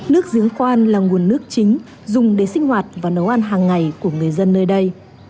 nước giếng khoan là nguồn nước chính dùng để sinh hoạt và nấu ăn hàng ngày của người dân nơi đây